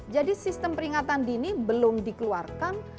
jadi sistem peringatan dini belum dikeluarkan